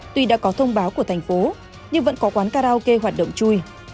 tuy đã có thông báo của thành phố nhưng vẫn có quán karaoke hoạt động chui